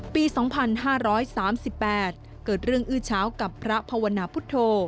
ปี๒๕๓๘เกิดเรื่องอื้อเช้ากับพระภาวนาพุทธโธ